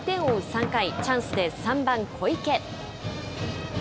３回、チャンスで３番小池。